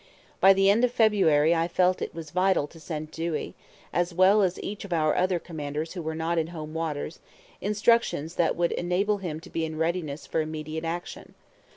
By the end of February I felt it was vital to send Dewey (as well as each of our other commanders who were not in home waters) instructions that would enable him to be in readiness for immediate action.